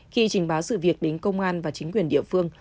khi trình báo sự việc đến công an và chính quyền địa phương